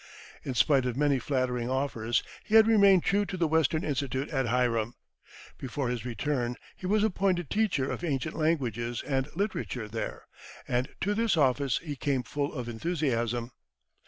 In spite of many flattering offers, he had remained true to the Western Institute at Hiram. Before his return he was appointed teacher of ancient languages and literature there, and to this office he came full of enthusiasm.